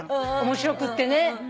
面白くってね。